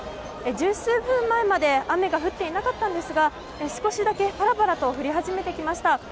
十数分前まで雨が降っていなかったんですが少しだけパラパラと降り始めてきました。